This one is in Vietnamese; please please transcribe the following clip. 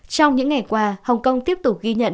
trong những ngày qua hồng kông tiếp tục ghi nhận